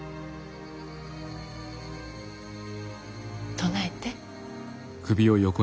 唱えて。